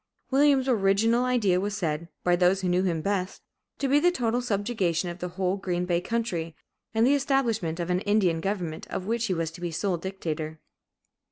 Williams's original idea was said, by those who knew him best, to be the "total subjugation of the whole [Green Bay] country and the establishment of an Indian government, of which he was to be sole dictator."